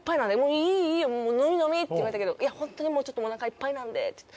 「いいよいいよ飲み飲み」って言われたけど「いや本当にもうちょっとおなかいっぱいなんで」って。